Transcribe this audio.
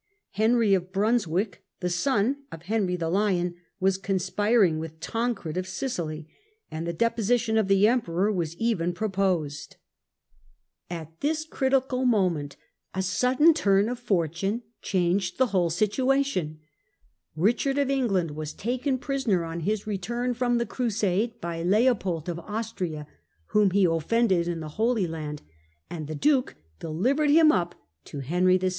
Henry of Brunswick, the son of Henry the Lion, was conspiring with Tancred of Sicily, and the deposition of the Emperor was even proposed. 174 THE CENTRAL PERIOD OF THE MIDDLE AGE At this critical moment, a sudden turn of fortune Capture changed the whole situation. Eichard of England was Coeui^dr taken prisoner on his return from the Crusade by Leopold Lion Q^ Austria, whom he had offended in the Holy Land, and the duke delivered him up to Henry VI.